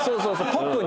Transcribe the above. ポップに。